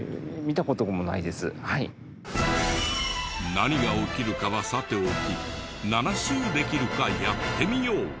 何が起きるかはさておき７周できるかやってみよう。